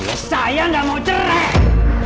saya nggak mau cerai